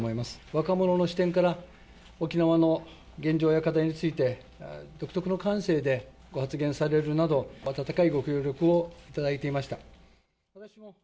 若者の視点から沖縄の現状や課題について、独特の感性でご発言されるなど、温かいご協力をいただいていました。